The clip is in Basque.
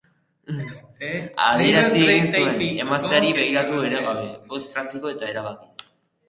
Adierazi egin zuen, emazteari begiratu ere gabe, boz praktiko eta erabakiz.